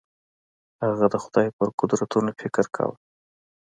هغه د خدای په قدرتونو فکر کاوه.